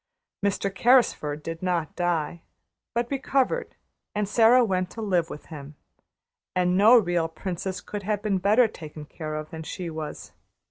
Mr. Carrisford did not die, but recovered, and Sara went to live with him; and no real princess could have been better taken care of than she was.